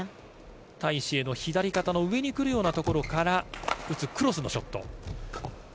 タイ・シエイの左肩の上にくるようなところから打つクロスのショット。